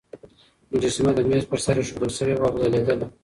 مجسمه د مېز پر سر ایښودل شوې وه او ځلېدله.